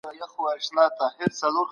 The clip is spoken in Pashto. هغه په خپل ژوند کي د پښتون وقار ساتلی.